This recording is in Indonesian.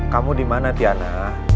kamu dimana tiana